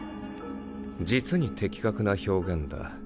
実に的確な表現だ。